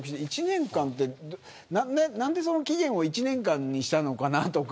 何で期限を１年間にしたのかとか。